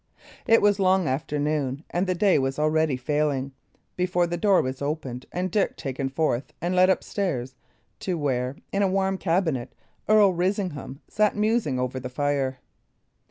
It was long after noon, and the day was already failing, before the door was opened and Dick taken forth and led up stairs to where, in a warm cabinet, Earl Risingham sat musing over the fire.